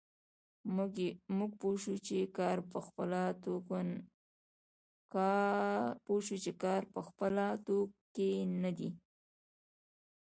موږ پوه شوو چې کار په خپله توکی نه دی